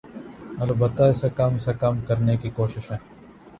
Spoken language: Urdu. البتہ اسے کم سے کم کرنے کی کوششیں